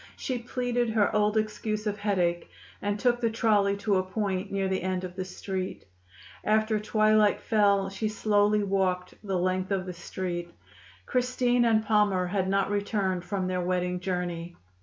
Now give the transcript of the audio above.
She pleaded her old excuse of headache, and took the trolley to a point near the end of the Street. After twilight fell, she slowly walked the length of the Street. Christine and Palmer had not returned from their wedding journey.